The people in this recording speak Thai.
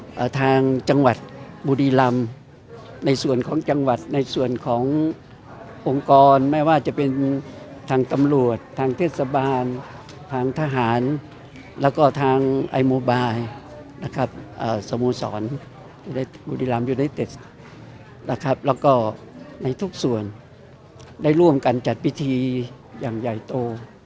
ทางจังหวัดบุรีรำในส่วนของจังหวัดในส่วนขององค์กรไม่ว่าจะเป็นทางตำรวจทางเทศบาลทางทหารแล้วก็ทางไอโมบายนะครับเอ่อสโมสรในบุรีรัมยูไนเต็ดนะครับแล้วก็ในทุกส่วนได้ร่วมกันจัดพิธีอย่างใหญ่โต